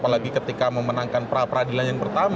lagi ketika memenangkan pra pra dilan yang pertama